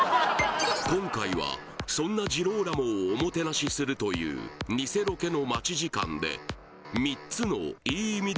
今回はそんなジローラモをおもてなしするというニセロケの待ち時間で３つの「いい意味で」